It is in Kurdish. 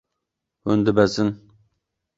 Hûn dibezin.